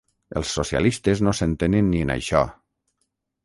El socialistes no s’entenen ni en això.